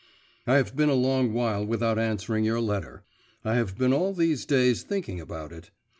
I have been a long while without answering your letter; I have been all these days thinking about it.